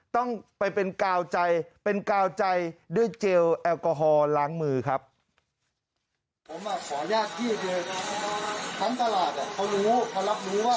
คือทางตลาดเขารู้เขารับรู้ว่า